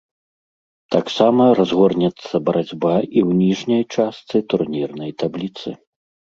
Таксама разгорнецца барацьба і ў ніжняй частцы турнірнай табліцы.